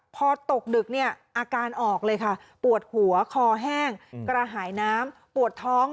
พอตกดึกเนี่ยอาการออกเลยค่ะปวดหัวคอแห้งกระหายน้ำปวดท้อง